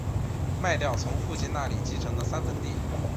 卖掉从父亲那里继承的三分地